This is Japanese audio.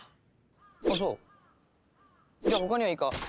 あっそうじゃあ他にはいいか？